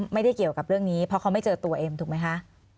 ไม่ได้เกี่ยวกับเรื่องนี้เพราะเขาไม่เจอตัวเอ็มถูกไหมคะ